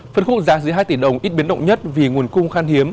phân khúc giá dưới hai tỷ đồng ít biến động nhất vì nguồn cung khan hiếm